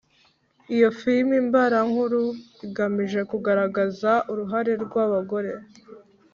Iyo filimi mbarankuru igamije kugaragaza uruhare rw abagore